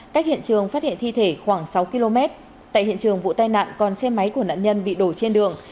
cách hiện trường phát hiện thi thể khoảng sáu km tại hiện trường vụ tai nạn còn xe máy của nạn nhân bị đổ trên đường